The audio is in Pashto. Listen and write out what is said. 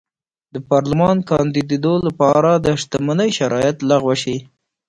د پارلمان کاندېدو لپاره د شتمنۍ شرایط لغوه شي.